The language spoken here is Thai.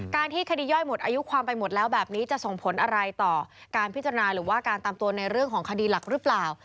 ที่คดีย่อยหมดอายุความไปหมดแล้วแบบนี้จะส่งผลอะไรต่อการพิจารณาหรือว่าการตามตัวในเรื่องของคดีหลักหรือเปล่า